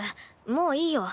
もういいよ。